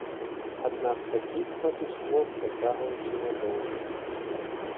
Аднак такі статус-кво працягваўся нядоўга.